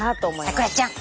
咲楽ちゃん！